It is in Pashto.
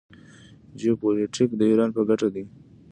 جیوپولیټیک د ایران په ګټه دی.